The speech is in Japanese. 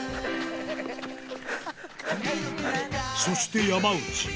そして山内